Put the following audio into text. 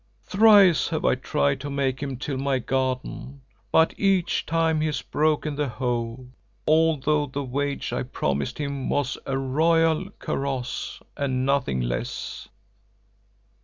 Thrice have I tried to make him till my garden, but each time he has broken the hoe, although the wage I promised him was a royal kaross and nothing less.